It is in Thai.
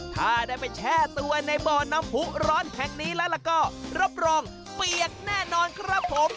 ถ้าได้ไปแช่ตัวในบ่อน้ำผู้ร้อนแห่งนี้แล้วก็รับรองเปียกแน่นอนครับผม